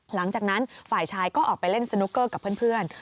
หลังจากนั้นฝ่ายชายก็ออกไปเล่นสนุกเกอร์กับเพื่อน